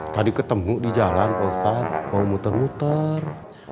tadi ketemu di jalan ustadz mau muter muter